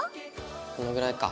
このぐらいか。